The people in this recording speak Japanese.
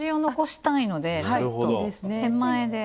手前で。